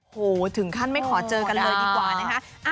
โหถึงขั้นไม่ขอเจอกันเลยดีกว่านะคะ